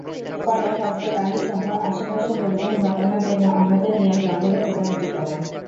পরে হযরত আলীসহ আশপাশের লোকজন ঘটনা জেনে অন্যদের নিয়ে জঙ্গলে খোঁজাখুঁজি করেন।